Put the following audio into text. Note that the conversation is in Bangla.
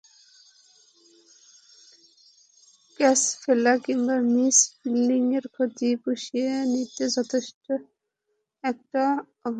ক্যাচ ফেলা কিংবা মিস ফিল্ডিংয়ের ক্ষতি পুষিয়ে নিতে যথেষ্ট একটা ওভারই।